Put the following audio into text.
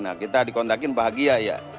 nah kita dikontakin bahagia ya